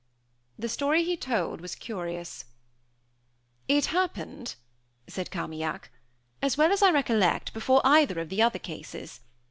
The story he told was curious. "It happened," said Carmaignac, "as well as I recollect, before either of the other cases.